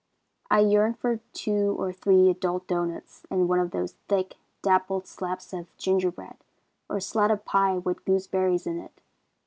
"I yearn for two or three adult doughnuts and one of those thick, dappled slabs of gingerbread, or slat of pie with gooseberries in it.